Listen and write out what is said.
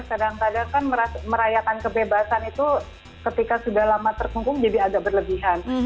kadang kadang kan merayakan kebebasan itu ketika sudah lama terkungkung jadi agak berlebihan